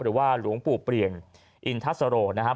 หรือว่าหลวงปู่เปลี่ยนอินทศโรนะครับ